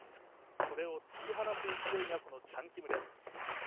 それを突き放す勢いが、このチャン・キムです。